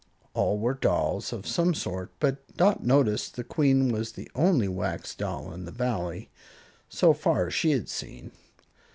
All were dolls of some sort; but Dot noticed the Queen was the only wax doll in the Valley, so far as she had seen.